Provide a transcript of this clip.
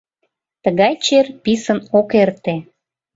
Тыгай чер писын ок эрте.